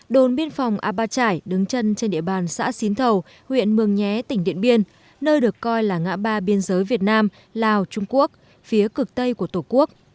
đồn biên phòng a ba trải đứng chân trên địa bàn xã xín thầu huyện mường nhé tỉnh điện biên nơi được coi là ngã ba biên giới việt nam lào trung quốc phía cực tây của tổ quốc